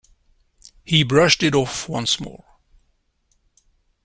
He brushed it off once more.